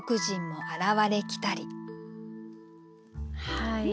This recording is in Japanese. はい。